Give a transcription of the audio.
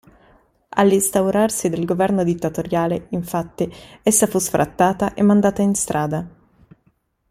All'instaurarsi del governo dittatoriale, infatti, essa fu sfrattata e mandata in strada.